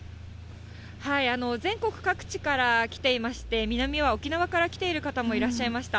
全国各地から来ていまして、南は沖縄から来ている方もいらっしゃいました。